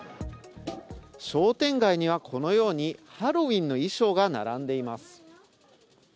商店街にはこのようにハロウィーンの衣装が並んでいます。